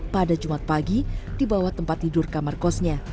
pada jumat pagi di bawah tempat tidur kamar kosnya